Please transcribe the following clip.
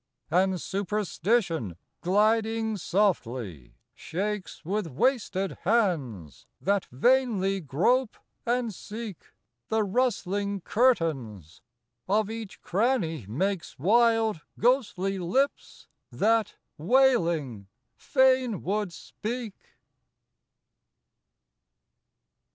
And Superstition, gliding softly, shakes With wasted hands, that vainly grope and seek, The rustling curtains; of each cranny makes Wild, ghostly lips that, wailing, fain would speak.